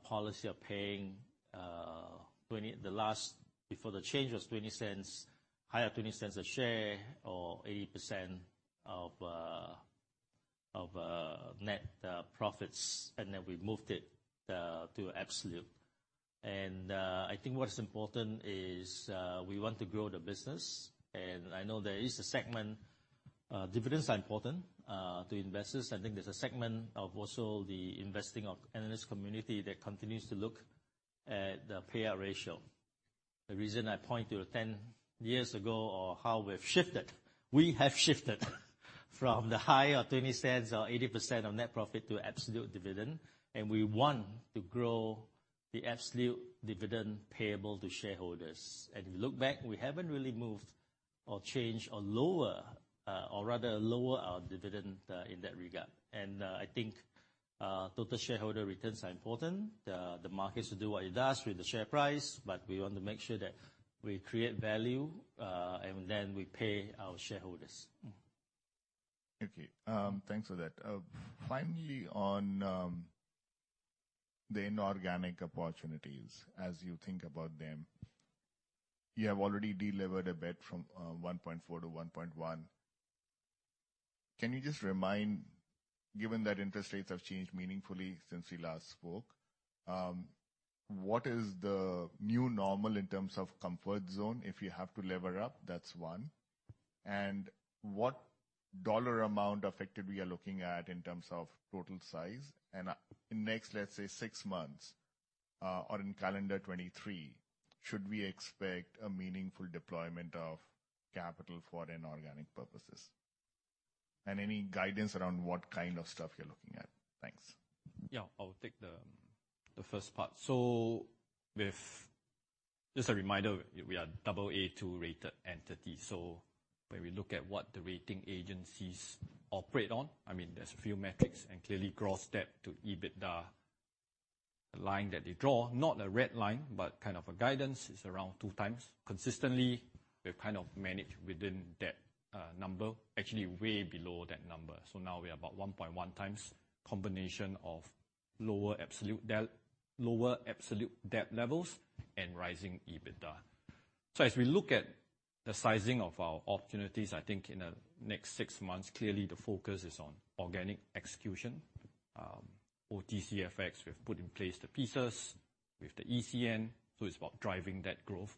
C: policy of paying the last before the change was $0.20, higher $0.20 a share or 80% of net profits, we moved it to absolute. I think what is important is we want to grow the business. I know there is a segment, dividends are important to investors. I think there's a segment of also the investing of analyst community that continues to look at the payout ratio. The reason I point to 10 years ago or how we've shifted, we have shifted from the high of 0.20 or 80% of net profit to absolute dividend, and we want to grow the absolute dividend payable to shareholders. If you look back, we haven't really moved or changed or lower, or rather lower our dividend in that regard. I think total shareholder returns are important. The markets will do what it does with the share price, but we want to make sure that we create value, and then we pay our shareholders.
F: Okay. Thanks for that. Finally, on the inorganic opportunities as you think about them, you have already delevered a bit from 1.4 to 1.1. Can you just remind, given that interest rates have changed meaningfully since we last spoke, what is the new normal in terms of comfort zone if you have to lever up? That's one. What dollar amount effectively are looking at in terms of total size? In next, let's say six months, or in calendar 2023, should we expect a meaningful deployment of capital for inorganic purposes? Any guidance around what kind of stuff you're looking at? Thanks.
B: Yeah. I'll take the first part. Just a reminder, we are Aa2 rated entity. When we look at what the rating agencies operate on, I mean, there's a few metrics, and clearly gross debt to EBITDA, the line that they draw, not a red line, but kind of a guidance, is around two times. Consistently, we've kind of managed within that number. Actually, way below that number. Now we're about 1.1 times combination of lower absolute debt, lower absolute debt levels and rising EBITDA. As we look at the sizing of our opportunities, I think in the next six months, clearly the focus is on organic execution. OTCFX, we've put in place the pieces with the ECN, it's about driving that growth.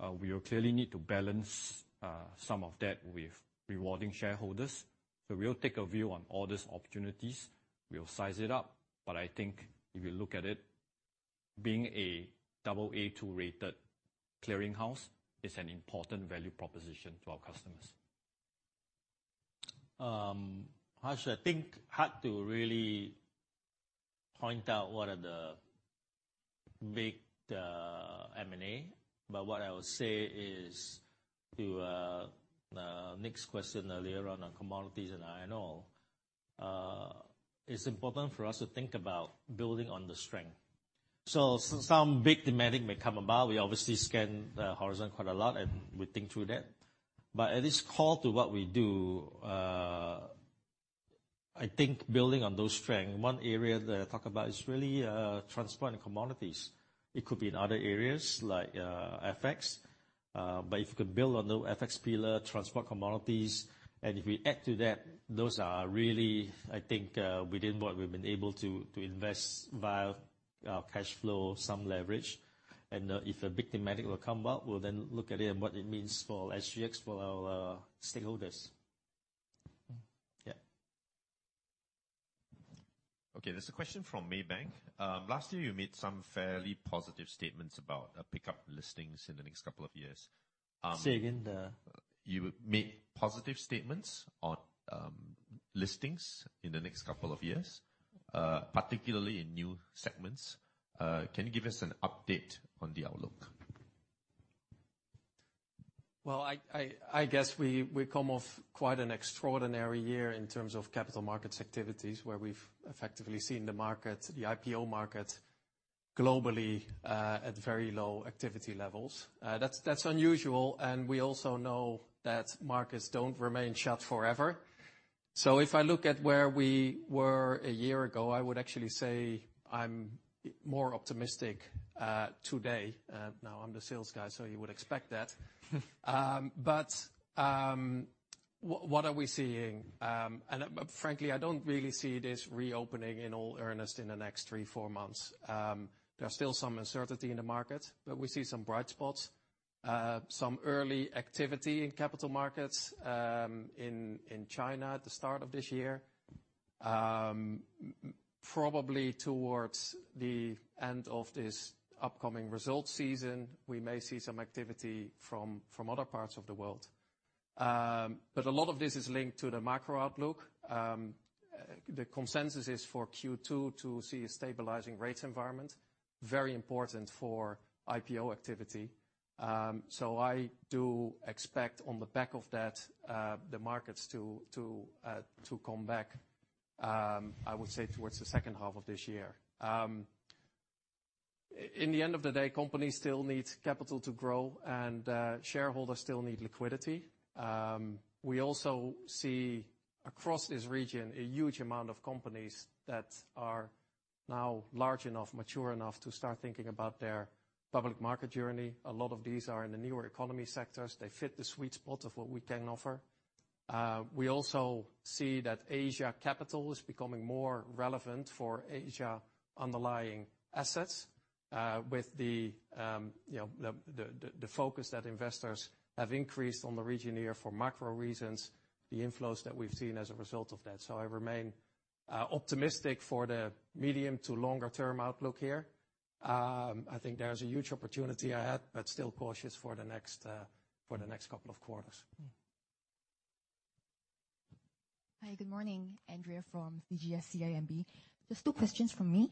B: We'll clearly need to balance some of that with rewarding shareholders. We'll take a view on all these opportunities. We'll size it up. I think if you look at it, being an Aa2-rated clearing house is an important value proposition to our customers. Harsh, I think hard to really point out what are the big M&A. What I would say is to Nick's question earlier on commodities and iron ore, it's important for us to think about building on the strength. Some big thematic may come about. We obviously scan the horizon quite a lot, and we think through that. At least core to what we do, I think building on those strength, one area that I talk about is really transporting commodities. It could be in other areas like FX. If you can build on the FX pillar, transport commodities, and if we add to that, those are really, I think, within what we've been able to invest via our cash flow, some leverage. If a big thematic will come up, we'll then look at it and what it means for SGX, for our stakeholders.
C: There's a question from Maybank. Last year you made some fairly positive statements about pickup listings in the next couple of years.
B: Say again, the?
C: You made positive statements on listings in the next couple of years, particularly in new segments. Can you give us an update on the outlook?
B: Well, I guess we come off quite an extraordinary year in terms of capital markets activities, where we've effectively seen the market, the IPO market globally, at very low activity levels. That's unusual, and we also know that markets don't remain shut forever. If I look at where we were a year ago, I would actually say I'm more optimistic today. Now I'm the sales guy, so you would expect that. What are we seeing? Frankly, I don't really see this reopening in all earnest in the next three, four months. There's still some uncertainty in the market, but we see some bright spots. Some early activity in capital markets, in China at the start of this year. Probably towards the end of this upcoming result season, we may see some activity from other parts of the world. A lot of this is linked to the macro outlook. The consensus is for Q2 to see a stabilizing rate environment, very important for IPO activity. I do expect on the back of that, the markets to come back, I would say towards the second half of this year. In the end of the day, companies still need capital to grow and shareholders still need liquidity. We also see across this region a huge amount of companies that are now large enough, mature enough to start thinking about their public market journey. A lot of these are in the newer economy sectors. They fit the sweet spot of what we can offer. We also see that Asia capital is becoming more relevant for Asia underlying assets, with the, you know, the focus that investors have increased on the region here for macro reasons, the inflows that we've seen as a result of that. I remain optimistic for the medium to longer term outlook here. I think there is a huge opportunity ahead, but still cautious for the next couple of quarters.
C: Mm-hmm.
G: Hi, good morning. Andrea from CGS-CIMB. Just two questions from me.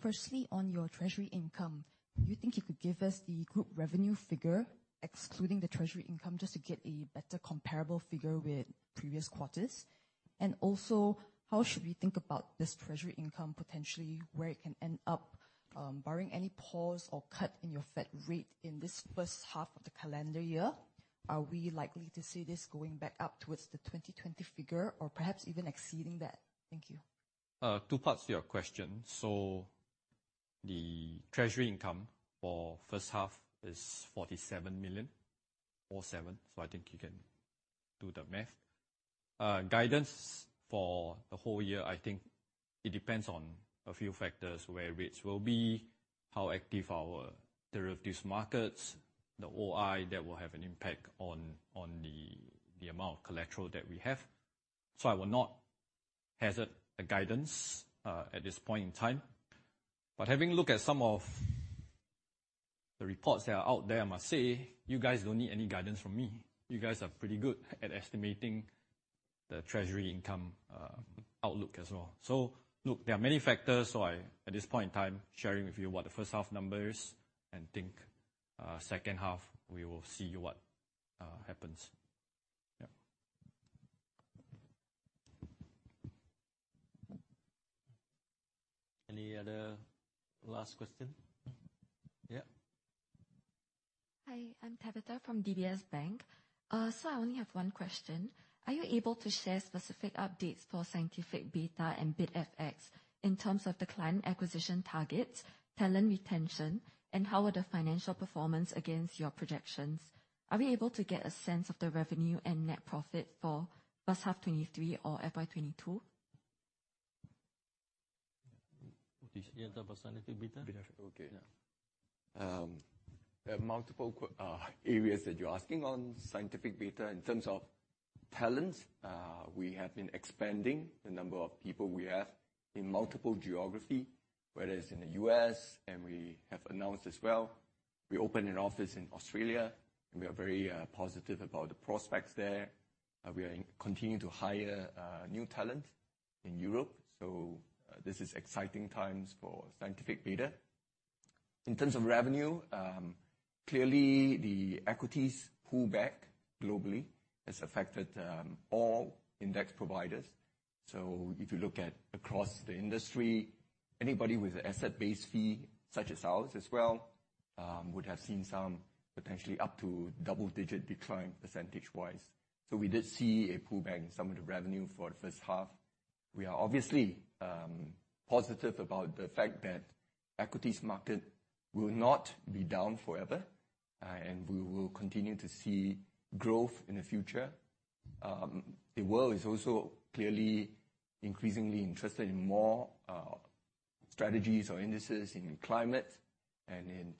G: Firstly, on your treasury income, do you think you could give us the group revenue figure excluding the treasury income, just to get a better comparable figure with previous quarters? Also, how should we think about this treasury income potentially, where it can end up, barring any pause or cut in your Fed rate in this first half of the calendar year? Are we likely to see this going back up towards the 2020 figure or perhaps even exceeding that? Thank you.
B: Two parts to your question. The treasury income for first half is 47 million, 4 7, so I think you can do the math. Guidance for the whole year, I think it depends on a few factors, where rates will be, how active our derivatives markets, the OI that will have an impact on the amount of collateral that we have. I will not hazard a guidance at this point in time. Having looked at some of the reports that are out there, I must say, you guys don't need any guidance from me. You guys are pretty good at estimating.
D: The treasury income, outlook as well. Look, there are many factors. I, at this point in time, sharing with you what the first half numbers, and think, second half we will see what happens. Yeah. Any other last question? Yeah.
H: Hi, I'm Tabitha from DBS Bank. I only have one question. Are you able to share specific updates for Scientific Beta and BidFX in terms of the client acquisition targets, talent retention, and how are the financial performance against your projections? Are we able to get a sense of the revenue and net profit for first half 2023 or FY 2022?
D: You take that or Scientific Beta?
C: Beta.
D: Okay. Yeah.
C: There are multiple areas that you're asking on Scientific Beta. In terms of talent, we have been expanding the number of people we have in multiple geography, whether it's in the U.S., we have announced as well, we opened an office in Australia, and we are very positive about the prospects there. We are continuing to hire new talent in Europe. This is exciting times for Scientific Beta. In terms of revenue, clearly the equities pullback globally has affected all index providers. If you look at across the industry, anybody with an asset base fee such as ours as well, would have seen some potentially up to double-digit decline percentage-wise. We did see a pullback in some of the revenue for the first half. We are obviously positive about the fact that equities market will not be down forever, and we will continue to see growth in the future. The world is also clearly increasingly interested in more strategies or indices in climate and in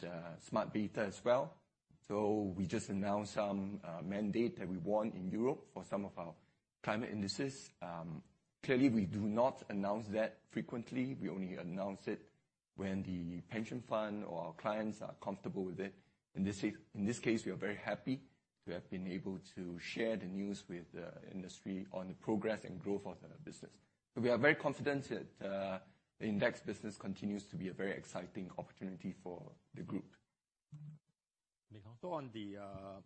C: smart beta as well. We just announced some mandate that we won in Europe for some of our climate indices. Clearly we do not announce that frequently. We only announce it when the pension fund or our clients are comfortable with it. In this case, we are very happy to have been able to share the news with the industry on the progress and growth of the business. We are very confident that the index business continues to be a very exciting opportunity for the Group.
D: On the,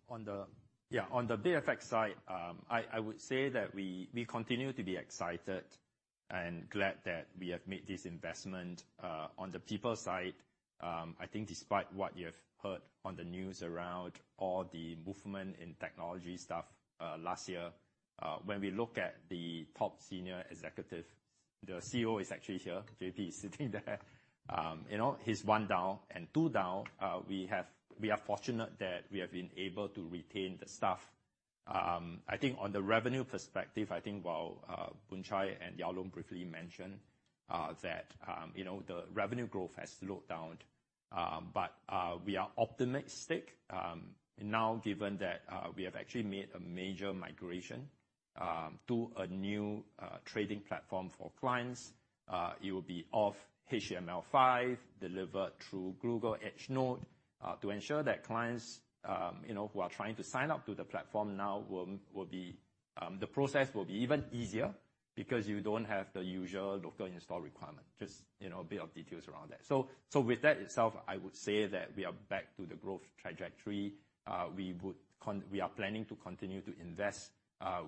D: on the, yeah, on the BidFX side, I would say that we continue to be excited and glad that we have made this investment. On the people side, I think despite what you have heard on the news around all the movement in technology stuff, last year, when we look at the top senior executive, the CEO is actually here. JP is sitting there. You know, he's one down and two down, we are fortunate that we have been able to retain the staff. I think on the revenue perspective, I think while Boon Chye and Yao Loong briefly mentioned, that, you know, the revenue growth has slowed down. We are optimistic now given that we have actually made a major migration to a new trading platform for clients. It will be off HTML5, delivered through Google Edge Node, to ensure that clients, you know, who are trying to sign up to the platform now will be the process will be even easier because you don't have the usual local install requirement. Just, you know, a bit of details around that. With that itself, I would say that we are back to the growth trajectory. We are planning to continue to invest.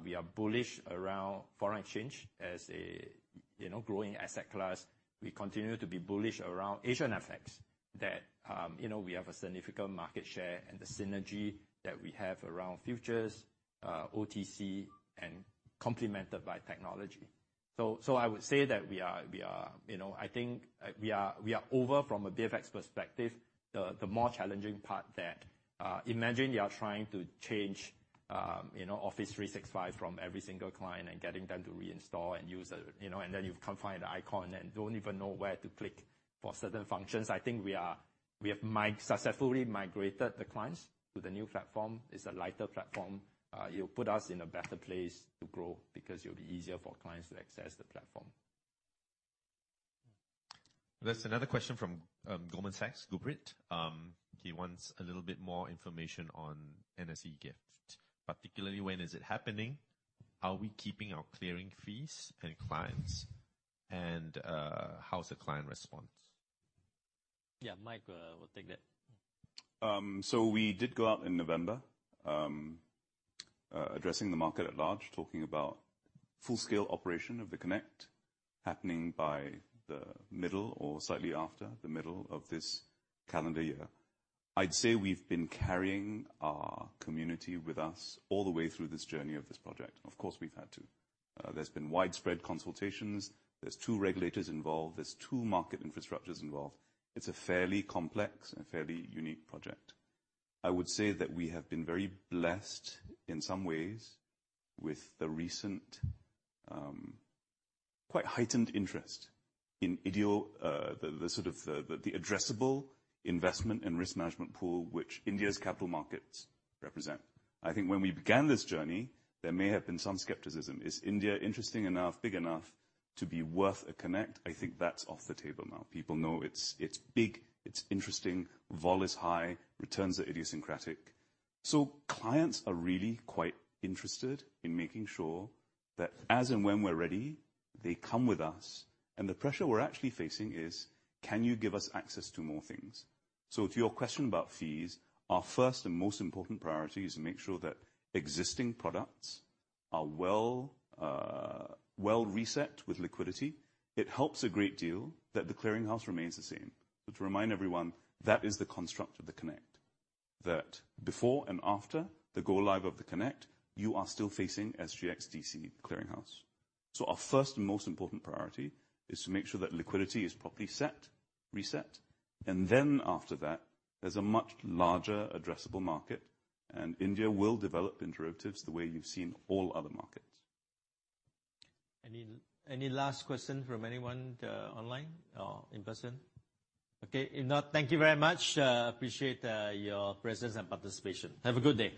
D: We are bullish around foreign exchange as a, you know, growing asset class. We continue to be bullish around Asian FX that, you know, we have a significant market share and the synergy that we have around futures, OTC, and complemented by technology. I would say that we are, you know, I think, we are over from a BidFX perspective, the more challenging part that, imagine you are trying to change, you know, Office 365 from every single client and getting them to reinstall and use a, you know, and then you can't find the icon and don't even know where to click for certain functions. I think we are, we have successfully migrated the clients to the new platform. It's a lighter platform. It'll put us in a better place to grow because it'll be easier for clients to access the platform.
B: There's another question from Goldman Sachs, Gurpreet. He wants a little bit more information on GIFT Nifty, particularly when is it happening, are we keeping our clearing fees and clients, and how's the client response?
D: Yeah, Mike, will take that.
I: We did go out in November, addressing the market at large, talking about full-scale operation of the Connect happening by the middle or slightly after the middle of this calendar year. I'd say we've been carrying our community with us all the way through this journey of this project. Of course we've had to. There's been widespread consultations. There's two regulators involved. There's two market infrastructures involved. It's a fairly complex and fairly unique project. I would say that we have been very blessed in some ways with the recent, quite heightened interest in ideal, the sort of the addressable investment and risk management pool which India's capital markets represent. I think when we began this journey, there may have been some skepticism. Is India interesting enough, big enough to be worth a Connect? I think that's off the table now. People know it's big, it's interesting, vol is high, returns are idiosyncratic. Clients are really quite interested in making sure that as and when we're ready, they come with us, and the pressure we're actually facing is, "Can you give us access to more things?" To your question about fees, our first and most important priority is to make sure that existing products are well, well reset with liquidity. It helps a great deal that the clearing house remains the same. To remind everyone, that is the construct of the Connect. That before and after the go live of the Connect, you are still facing SGX-DC clearing house. Our first and most important priority is to make sure that liquidity is properly set, reset, and then after that, there's a much larger addressable market, and India will develop in derivatives the way you've seen all other markets.
D: Any last question from anyone, online or in person? Okay. If not, thank you very much. Appreciate your presence and participation. Have a good day.